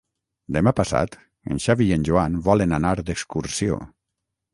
Demà passat en Xavi i en Joan volen anar d'excursió.